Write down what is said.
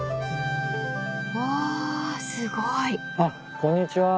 ［わすごい］あっこんにちは。